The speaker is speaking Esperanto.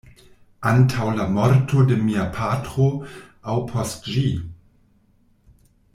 Antaŭ la morto de mia patro aŭ post ĝi?